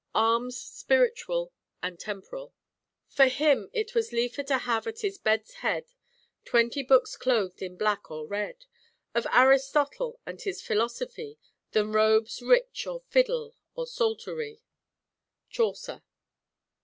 ARMS SPIRITUAL AND TEMPORAL "For him was leifer to have at his bedde's hedde Twenty books clothed in blacke or redde Of Aristotle and his philosophie Than robes riche or fiddle or psalterie." Chaucer.